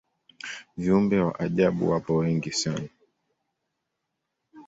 viumbe wa ajabu wapo wengi sana